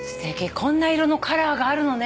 こんな色のカラーがあるのね。